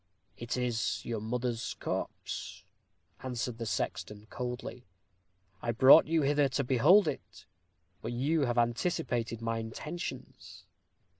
"It is your mother's corpse," answered the sexton, coldly; "I brought you hither to behold it. But you have anticipated my intentions."